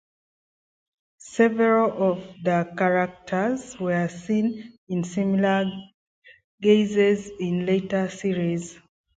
Several of the characters were seen in similar guises in later series.